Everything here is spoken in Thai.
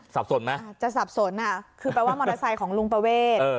สับสนไหมอาจจะสับสนคือแปลว่ามอเตอร์ไซค์ของลุงประเวท